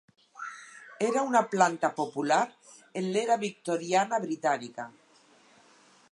Era una planta popular en l'Era Victoriana britànica.